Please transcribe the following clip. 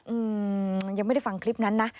อืมยังไม่ได้ฟังคลิปนั้นนะ